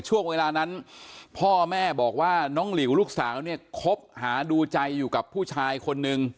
ช่วงเวลานั้นพ่อแม่บอกว่าน้องหลิวลูกสาวเนี่ยคบหาดูใจอยู่กับผู้ชายคนนึง